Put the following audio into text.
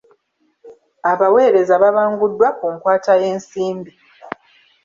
Abaweereza babanguddwa ku nkwata y’ensimbi.